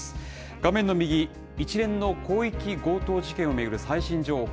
画面の右、一連の広域強盗事件を巡る最新情報。